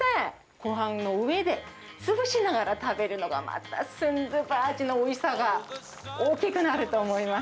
ごはんの上で、潰しながら食べるのが、またスンドゥブ味のおいしさが大きくなると思います。